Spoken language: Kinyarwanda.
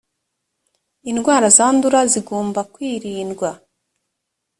indwara zandura zigomba kwirindwa.